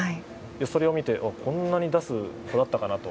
それを見てこんなに出す子だったかなと。